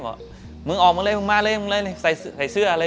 บอกว่ามึงออกมาเลยส่ายเสื้ออะไร